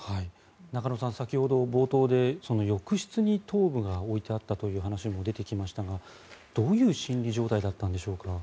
中野さん、先ほど冒頭で浴室に頭部が置いてあったという話も出てきましたが、どういう心理状態だったんでしょうか。